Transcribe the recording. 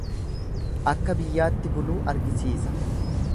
Akka biyyaatti buluu argisiisa.